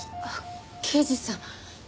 あっ刑事さん。